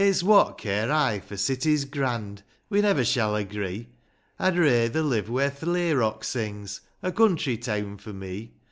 It's what care I for cities grand, — We never shall agree ; I'd rayther live where th' layrock' sings, — A country teawn for me